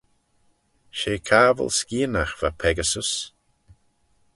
She cabbyl skianagh va Pegasus.